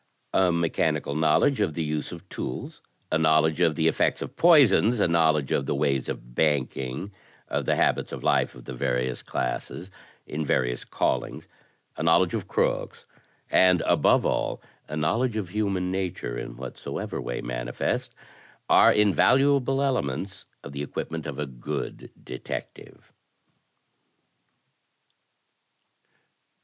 A mechanical knowl edge of the use of tools, a knowledge of the effects of poisons, a knowledge of the ways of banking, of the habits of life of the various classes, in various callings, a knowledge of crooks, and, above all, a knowledge of human nature, in whatsoever way manifest, are invaluable elements of the equipment of a good detective."